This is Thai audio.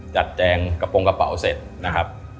แจงกระโปรงกระเป๋าเสร็จนะครับ